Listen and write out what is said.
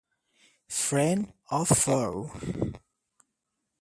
Friend or Foe?